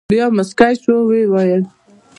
بیا مسکی شو او ویې ویل.